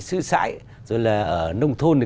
sư sại rồi là ở nông thôn thì